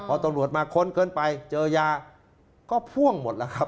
พอตำรวจมาค้นเกินไปเจอยาก็พ่วงหมดแล้วครับ